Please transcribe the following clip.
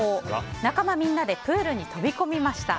仲間みんなでプールに飛び込みました。